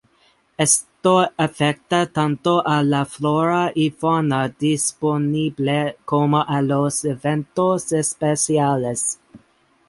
Esto afecta tanto a la flora y fauna disponible como a los eventos especiales.